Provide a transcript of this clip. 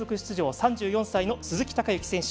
３４歳の鈴木孝幸選手